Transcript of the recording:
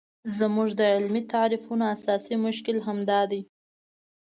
زموږ د علمي تعریفونو اساسي مشکل همدا دی.